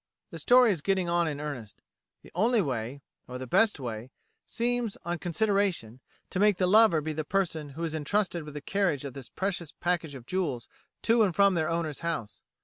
"The story is getting on in earnest. ... The only way or the best way seems, on consideration, to make the lover be the person who is entrusted with the carriage of this precious package of jewels to and from their owner's house.